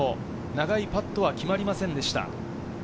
長いパットは決まりませんでした。